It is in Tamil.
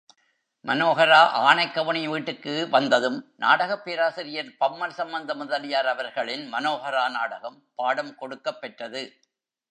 மனோஹரா ஆனைக்கவுணி வீட்டுக்கு வந்ததும் நாடகப் பேராசிரியர் பம்மல் சம்பந்த முதலியார் அவர்களின் மனோஹரா நாடகம் பாடம் கொடுக்கப்பெற்றது.